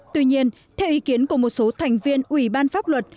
tuy nhiên theo ý kiến của một số thành viên ủy ban pháp luật